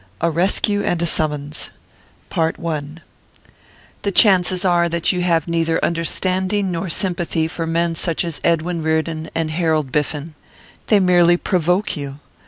A RESCUE AND A SUMMONS The chances are that you have neither understanding nor sympathy for men such as Edwin Reardon and Harold Biffen. They merely provoke you.